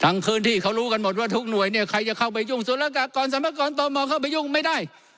คืนที่เขารู้กันหมดว่าทุกหน่วยเนี่ยใครจะเข้าไปยุ่งสุรกากรสรรพากรตมเข้าไปยุ่งไม่ได้